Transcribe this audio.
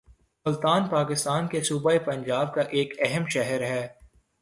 ملتان پاکستان کے صوبہ پنجاب کا ایک اہم شہر ہے